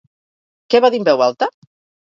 Què va dir en veu alta?